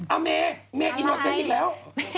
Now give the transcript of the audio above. อ่าเมแม่อินอสเซนต์อีกแล้ว